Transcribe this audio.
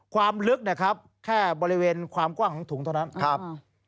ความลึกแค่บริเวณความกว้างของถุงเท่านั้นครับครับ